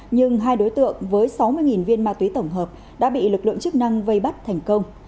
nhưng hai đối tượng với sáu mươi viên ma túy tổng hợp đã bị lực lượng chức năng vây bắt thành công